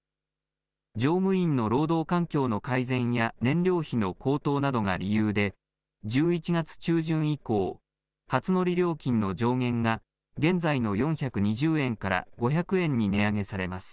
乗務員の労働環境の改善や燃料費の高騰などが理由で、１１月中旬以降、初乗り料金の上限が現在の４２０円から５００円に値上げされます。